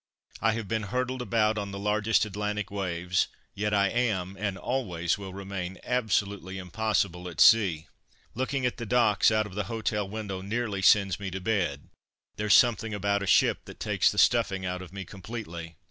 I have been hurtled about on the largest Atlantic waves; yet I am, and always will remain, absolutely impossible at sea. Looking at the docks out of the hotel window nearly sends me to bed; there's something about a ship that takes the stuffing out of me completely.